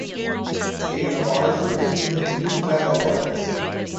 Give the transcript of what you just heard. They have also received a Green Flag Award.